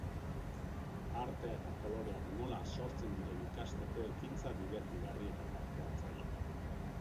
Artea eta koloreak nola sortzen diren ikasteko ekintza dibertigarri eta partehartzailea.